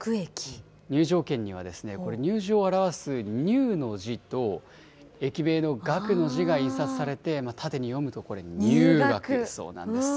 入場券には、これ、入場を表す入の字と、駅名の学の字が印刷されて、縦に読むと、これ、入学、そうなんです。